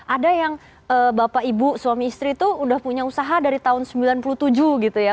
ada yang bapak ibu suami istri itu udah punya usaha dari tahun sembilan puluh tujuh gitu ya